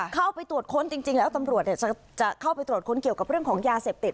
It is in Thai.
เข้าไปตรวจค้นจริงแล้วตำรวจจะเข้าไปตรวจค้นเกี่ยวกับเรื่องของยาเสพติด